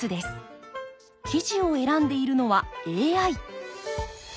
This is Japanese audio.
記事を選んでいるのはＡＩ。